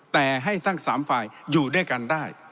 แต่ให้ทั้ง๓ฝ่ายอยู่ด้วยกันได้